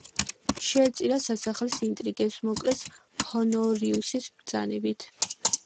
შეეწირა სასახლის ინტრიგებს, მოკლეს ჰონორიუსის ბრძანებით.